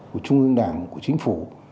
của trung ương đảng của chính phủ